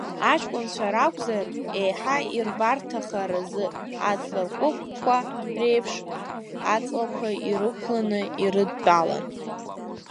Аҷкәынцәа ракәзар, еиҳа ирбарҭахаразы аҵларкәыкәқәа реиԥш, аҵлақәа ирықәланы ирыдтәалан.